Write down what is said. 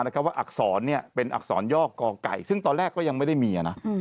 นะคะว่าอักษรเนี้ยเป็นอักษรยอกกลอกไก่ซึ่งตอนแรกก็ยังไม่ได้มีอ่ะน่ะ